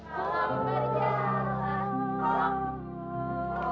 kalau berjalan seru